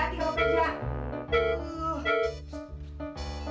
hati hati sama peja